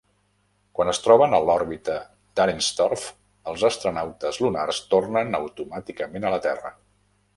Quan es troben a l"òrbita d"Arenstorf, els astronautes lunars tornen automàticament a la Terra.